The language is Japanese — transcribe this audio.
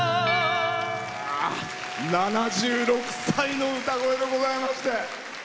７６歳の歌声でございまして。